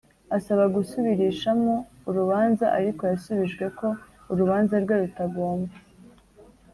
asaba gusubirishamo urubanza ariko yasubijwe ko urubanza rwe rutagomba